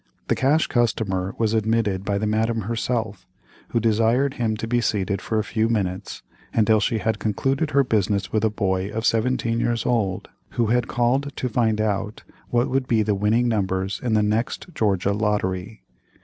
The Cash Customer was admitted by the Madame herself, who desired him to be seated for a few minutes, until she had concluded her business with a boy of about 17 years old, who had called to find out what would be the winning numbers in the next Georgia lottery.